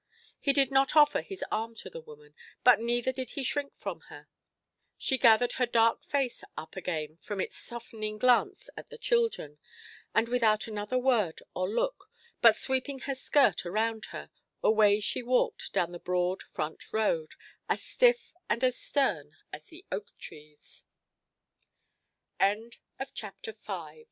He did not offer his arm to the woman, but neither did he shrink from her; she gathered her dark face up again from its softening glance at the children, and without another word or look, but sweeping her skirt around her, away she walked down the broad front road, as stiff and as stern as th